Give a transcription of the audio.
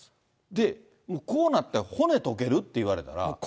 で、こうなってら骨溶けるって言われたら。